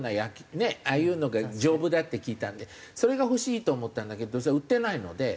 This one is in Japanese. ああいうのが丈夫だって聞いたんでそれが欲しいと思ったんだけどそれは売ってないので。